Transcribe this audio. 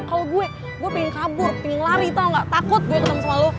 kalo gue gue pingin kabur pingin lari tau gak takut gue ketemu sama lu